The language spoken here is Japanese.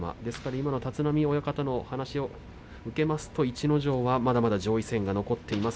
今の立浪親方のお話を受けますと逸ノ城はまだまだ上位戦が残っています。